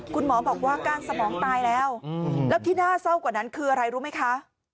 คุณหมอบอกว่าก้านสมองตายแล้วแล้วที่น่าเศร้ากว่านั้นคืออะไรรู้ไหมคะ